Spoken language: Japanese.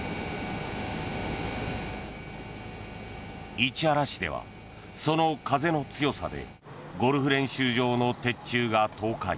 市原市ではその風の強さでゴルフ練習場の鉄柱が倒壊。